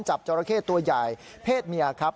จราเข้ตัวใหญ่เพศเมียครับ